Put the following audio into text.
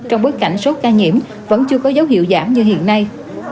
trong bối cảnh số ca nhiễm vẫn chưa có dấu hiệu giảm như hiện nay